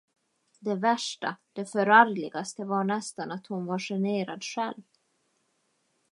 Det värsta, det förargligaste var nästan att hon var generad själv.